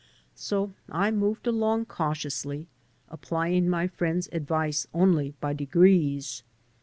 So I moved along cautiously, applying my friend's advice only by degrees.